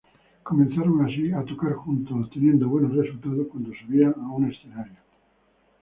Comenzaron así a tocar juntos, obteniendo buenos resultados cuando subían a un escenario.